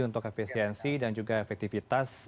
untuk efisiensi dan juga efektivitas